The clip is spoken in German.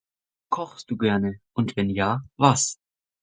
Kochst du gerne? Und wenn ja was?